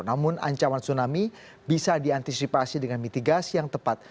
namun ancaman tsunami bisa diantisipasi dengan mitigasi yang tepat